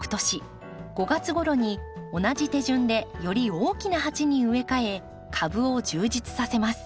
５月ごろに同じ手順でより大きな鉢に植え替え株を充実させます。